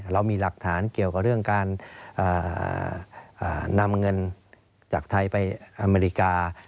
เรามีหลักฐานเกี่ยวกับเรื่องการนำเงินจากไทยไปอเมริกา